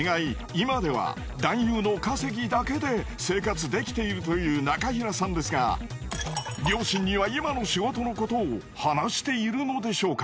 今では男優の稼ぎだけで生活できているという中平さんですが両親には今の仕事のことを話しているのでしょうか？